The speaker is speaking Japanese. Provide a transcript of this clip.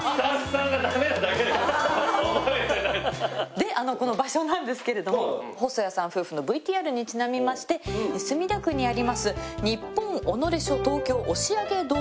でこの場所なんですけれども細谷さん夫婦のＶＴＲにちなみまして墨田区にあります